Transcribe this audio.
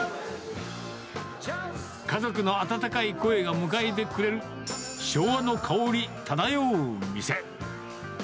家族の温かい声が迎えてくれる、昭和の香り漂う店。